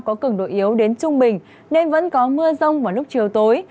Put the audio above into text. có cường độ yếu đến trung bình nên vẫn có mưa rông vào lúc chiều tối